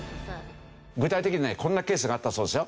具体的にはこんなケースがあったそうですよ。